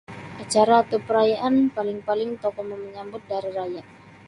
Acara atau perayaan paling-paling tokou mamanyambut da hari raya.